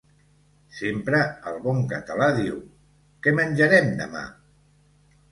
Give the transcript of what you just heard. Sempre el bon català diu: Què menjarem, demà?